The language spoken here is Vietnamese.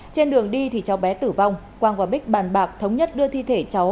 trên đường đi thì cháu bé tử vong quang và bích bàn bạc thống nhất đưa thi thể cháu